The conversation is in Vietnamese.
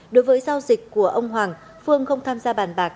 đối với giao dịch của ông hoàng phương không tham gia bàn bạc